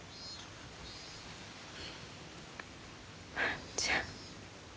万ちゃん。